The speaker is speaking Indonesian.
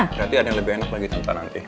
berarti ada yang lebih enak lagi sementara nanti